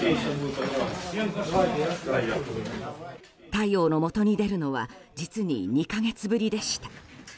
太陽のもとに出るのは実に２か月ぶりでした。